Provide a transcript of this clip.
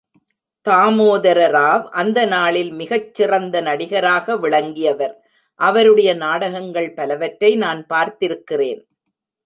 தாமோதரராவ் அந்தநாளில் மிகச் சிறந்தநடிகராக விளங்கியவர், அவருடைய நாடகங்கள் பலவற்றை நான் பார்த்திருக்கிறேன்.